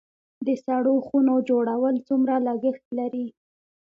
د سړو خونو جوړول څومره لګښت لري؟